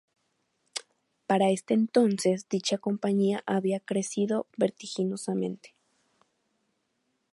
Para este entonces dicha compañía había crecido vertiginosamente.